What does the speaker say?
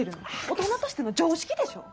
大人としての常識でしょ。